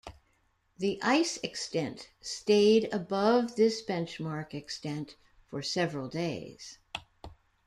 The ice extent stayed above this benchmark extent for several days.